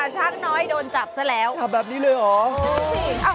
ช้างน้อยโดนจับซะแล้วแบบนี้เลยเหรอ